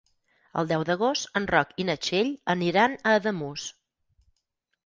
El deu d'agost en Roc i na Txell aniran a Ademús.